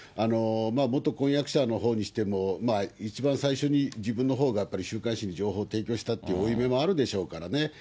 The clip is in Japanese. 元婚約者のほうにしても、一番最初に自分のほうが週刊誌に情報提供したっていう負い目もあるでしょうかね。